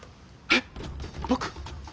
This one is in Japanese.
えっ僕？